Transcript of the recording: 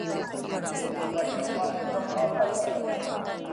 ผู้สูงอายุมักเป็นโรคอัลไซเมอร์